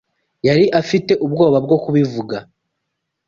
Yari afite ubwoba bwo kubivuga.